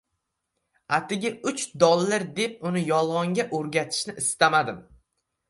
Atigi uch dollar deb uni yolgʻonga oʻrgatishni istamadim…